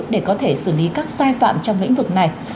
để có thể xử lý các sai phạm trong lĩnh vực này